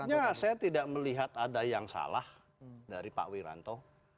artinya saya tidak melihat ada yang salah dari pak wiranto